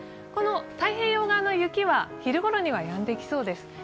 太平洋側の雪は昼ごろにはやんできそうです。